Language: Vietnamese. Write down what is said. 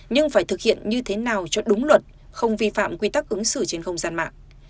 nhưng phải thực hiện như thế nào cho đúng luật không vi phạm quy tắc ứng xử trên không gian mạng